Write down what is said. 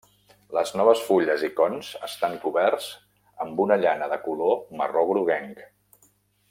Les noves fulles i cons estan coberts amb una llana de color marró groguenc.